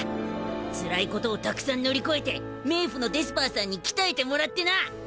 つらいことをたくさん乗り越えて冥府のデスパーさんに鍛えてもらってな。